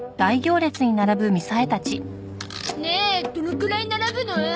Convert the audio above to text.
ねえどのくらい並ぶの？